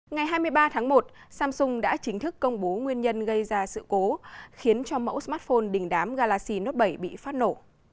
ngày hai mươi ba tháng một samsung đã chính thức công bố nguyên nhân gây ra sự cố khiến cho mẫu smartphone đình đám galaxy note bảy bị phát nổ